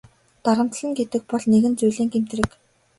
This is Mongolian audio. Дарамтална гэдэг бол нэгэн зүйлийн гэмт хэрэг.